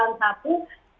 karena di triwunnya